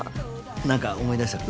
なんか思い出したか？